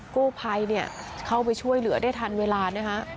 กู้ภัยเข้าไปช่วยเหลือได้ทันเวลานะฮะ